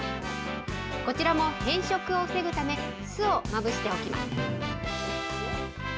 こちらも変色を防ぐため、酢をまぶしておきます。